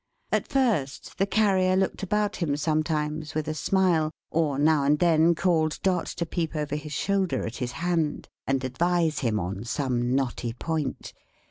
At first, the Carrier looked about him sometimes, with a smile, or now and then called Dot to peep over his shoulder at his hand, and advise him on some knotty point.